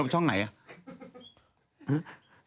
ช่องไหนอ่ะ